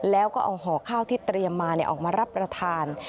แล้วก็เอาห่อข้าวที่เตรียมมาออกมารับประทาน